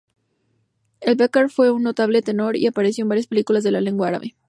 El-Bakkar fue un notable tenor y apareció en varias películas de lengua árabe.